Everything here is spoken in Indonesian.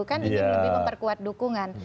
kan ingin lebih memperkuat dukungan